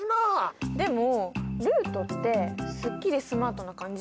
でもルートってすっきりスマートな感じ。